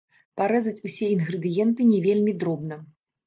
Парэзаць усе інгрэдыенты не вельмі дробна.